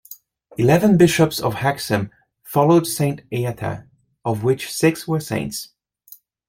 Eleven bishops of Hexham followed Saint Eata, of which six were saints.